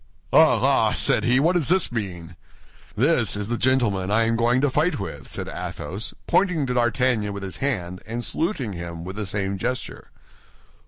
"Ah, ah!" said he, "what does this mean?" "This is the gentleman I am going to fight with," said Athos, pointing to D'Artagnan with his hand and saluting him with the same gesture.